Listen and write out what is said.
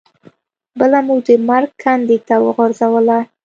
بله مو د مرګ کندې ته وغورځوله.